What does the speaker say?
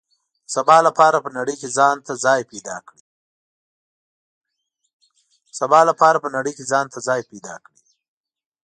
د سبا لپاره په نړۍ کې ځان ته ځای پیدا کړي.